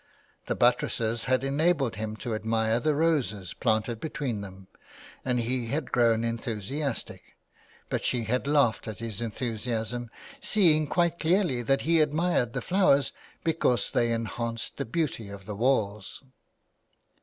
The buttresses had enabled him to admire the roses planted between them, and he had grown enthusiastic ; but she had laughed at his enthusiasm, seeing quite clearly that he admired the flowers because they enhanced the beauty of the walls.